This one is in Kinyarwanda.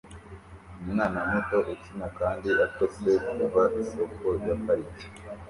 Umwana muto ukina kandi atose kuva isoko ya parike